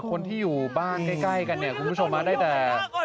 คนที่อยู่บ้านใกล้ทางกันเนี่ย